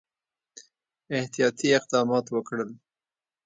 احتیاطي اقدمات وکړل.